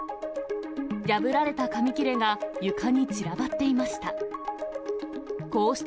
破られた紙切れが、床に散らばっていました。